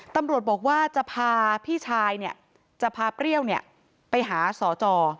ตำรวจบอกว่าจะพาพี่ชายจะพาเปรี้ยวไปหาสอจอ